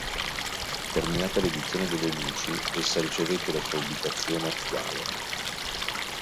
Terminata l'edizione delle Luci, essa ricevette la sua ubicazione attuale.